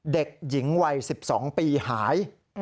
เด็กหญิงวัย๑๒ปีหาย